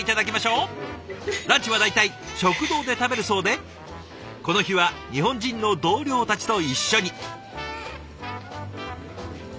ランチは大体食堂で食べるそうでこの日は日本人の同僚たちと一緒に。